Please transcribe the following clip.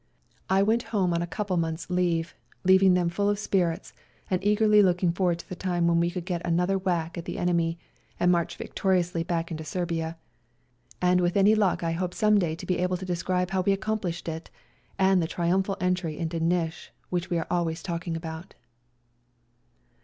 I went home on a couple of months' leave, leaving them full of spirits, and eagerly looking forward to the time when we could get another whack at the enemy, and march victoriously back into Serbia ; and with any luck I hope some day to be able to describe how we accomplished it, and the triumphal entry into Nish which we are always talking about.